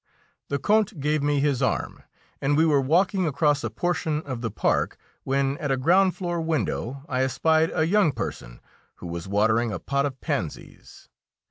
The Count gave me his arm, and we were walking across a portion of the park, when, at a ground floor window, I espied a young person who was watering a pot of pansies.